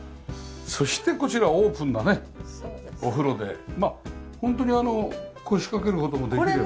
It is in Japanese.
そしてこちらオープンなねお風呂でまあホントにあの腰かける事もできれば。